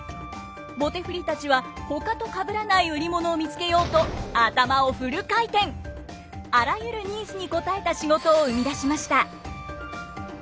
棒手振たちはほかとかぶらない売り物を見つけようとあらゆるニーズに応えた仕事を生み出しました。